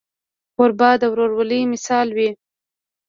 کوربه د ورورولۍ مثال وي.